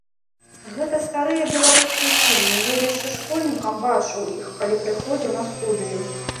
Гэта старыя беларускія фільмы, я яшчэ школьнікам бачыў іх, калі прыходзіў на студыю.